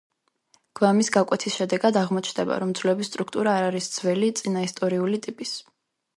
გვამის გაკვეთის შედეგად აღმოჩნდება, რომ ძვლების სტრუქტურა არ არის ძველი, წინაისტორიული ტიპის.